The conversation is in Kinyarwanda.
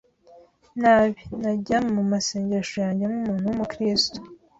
nabi, najya mu masengesho yanjye nk'umuntu w'umukristo. ”